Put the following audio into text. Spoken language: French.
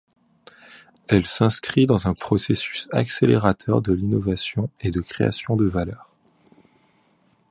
Elle s’inscrit dans un processus accélérateur de l’innovation et de création de valeur.